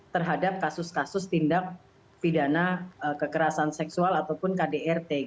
terhadap kasus kasus tindak pidana kekerasan seksual ataupun kdrt